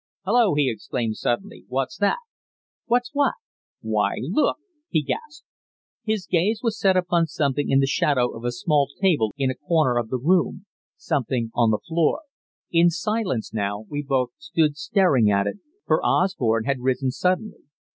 "Hullo!" he exclaimed suddenly, "what's that?" "What's what?" "Why! Look!" he gasped. His gaze was set upon something in the shadow of a small table in a corner of the room something on the floor. In silence, now, we both stood staring at it, for Osborne had risen suddenly.